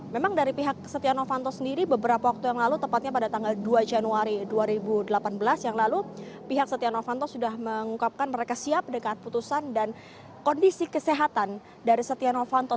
memang dari pihak setia novanto sendiri beberapa waktu yang lalu tepatnya pada tanggal dua januari dua ribu delapan belas yang lalu pihak setia novanto sudah mengungkapkan mereka siap dekat putusan dan kondisi kesehatan dari setia novanto